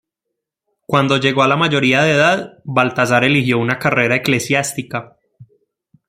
Cuando llegó a la mayoría de edad, Baltasar eligió una carrera eclesiástica.